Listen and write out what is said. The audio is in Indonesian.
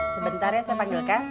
sebentar ya saya panggilkan